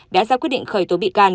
đã ra quyết định khởi tố bị can